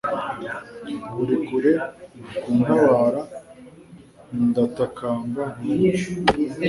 Uri kure ntuntabara ndatakamba ntiwumve